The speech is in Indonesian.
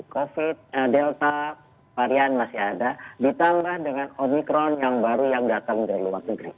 covid delta varian masih ada ditambah dengan omikron yang baru yang datang dari luar negeri